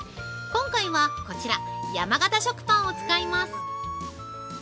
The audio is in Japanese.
今回はこちら山型食パンを使います。